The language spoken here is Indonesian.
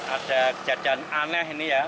ada kejadian aneh ini ya